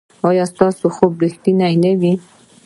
ایا ستاسو خوب به ریښتیا نه وي؟